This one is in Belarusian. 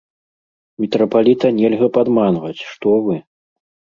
Мітрапаліта нельга падманваць, што вы!